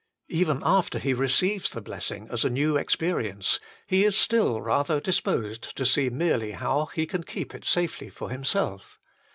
Even after he receives the blessing as a new experience, he is still rather disposed to see merely how he can keep it safely for himself.